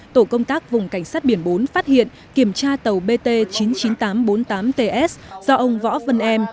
tổ công tác vùng cảnh sát biển bốn phát hiện kiểm tra tàu bt chín mươi chín nghìn tám trăm bốn mươi tám ts do ông võ vân em